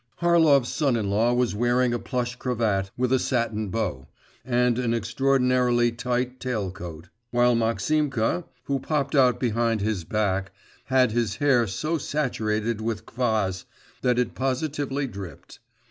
Harlov's son in law was wearing a plush cravat with a satin bow, and an extraordinarily tight tail coat; while Maximka, who popped out behind his back, had his hair so saturated with kvas, that it positively dripped.